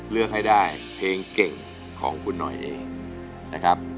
เลือกให้ได้เพลงเก่งของคุณหน่อยเองนะครับ